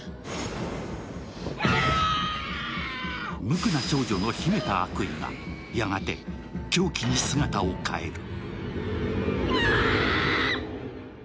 無垢な少女の秘めた悪意がやがて狂気に姿を変える。